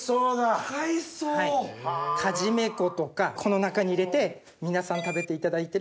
かじめ粉とかこの中に入れて皆さん食べていただいてる